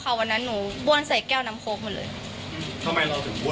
ทำไมเราถือบวนเพราะอะไร